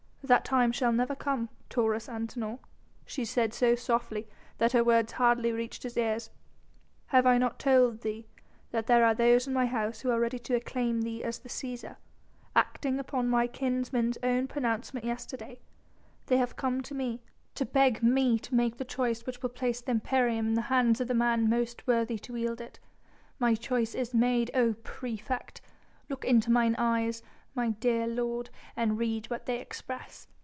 "That time shall never come, Taurus Antinor," she said so softly that her words hardly reached his ears. "Have I not told thee that there are those in my house who are ready to acclaim thee as the Cæsar?... acting upon my kinsman's own pronouncement yesterday ... they have come to me ... to beg me to make the choice which will place the imperium in the hands of the man most worthy to wield it.... My choice is made, O praefect!... Look into mine eyes, my dear lord, and read what they express."